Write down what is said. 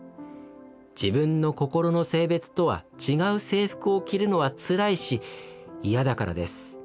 自分の心の性別とは違う制服を着るのはつらいし嫌だからです」。